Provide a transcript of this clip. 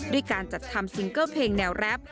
ด้วยการจัดทำซิงเกอร์เพลงแนวแรป